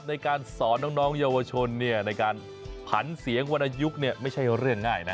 ในการสอนน้องเยาวชนในการผันเสียงวรรณยุคไม่ใช่เรื่องง่ายนะ